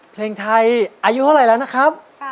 เพลงไทยอายุเท่าไหร่แล้วนะครับ